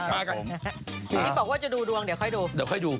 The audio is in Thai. อีกบอกว่าจะดูดวงเดี๋ยวค่อยดู